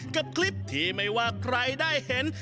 กับคลิปที่ไม่ว่าใครได้เห็น